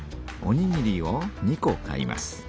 おにぎりを２こ買います。